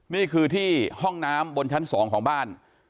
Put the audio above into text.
นี่คือที่ห้องน้ำบนชั้น๒ของบ้าน